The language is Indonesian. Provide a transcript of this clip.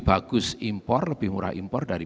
bagus impor lebih murah impor dari